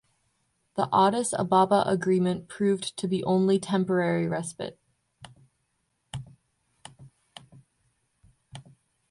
The Addis Ababa Agreement proved to be only temporary respite.